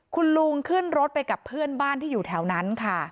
คุณลุงขึ้นรถไปกับเพื่อนบ้านที่อยู่แถวนั้นค่ะ